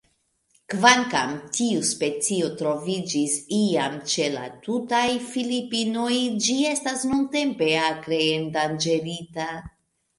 Kvankam tiu specio troviĝis iam ĉe la tutaj Filipinoj, ĝi estas nuntempe akre endanĝerita.